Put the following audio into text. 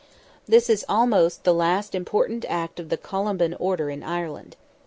This is almost the last important act of the Columban order in Ireland.